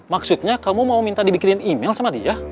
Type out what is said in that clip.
maksudnya kamu mau minta dibikin email sama dia